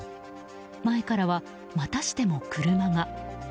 前からは、またしても車が。